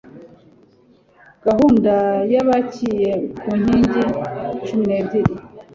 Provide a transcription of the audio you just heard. gahunda yubakiye ku nkingi cumi nebyiri